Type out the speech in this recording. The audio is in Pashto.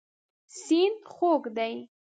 سیند خوږ دی.